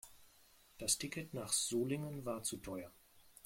Das Ticket nach Solingen war zu teuer